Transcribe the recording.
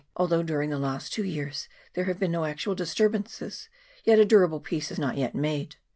Although during the last two years there have been no actual disturbances, yet a durable peace is not yet made.